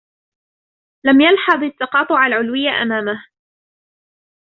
لم يلحظ التقاطع العلوي أمامه.